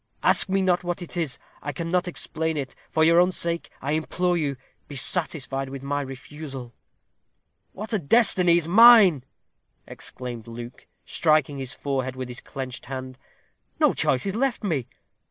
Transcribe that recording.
Ask me not what that is. I cannot explain it. For your own sake; I implore you, be satisfied with my refusal." "What a destiny is mine!" exclaimed Luke, striking his forehead with his clenched hand. "No choice is left me.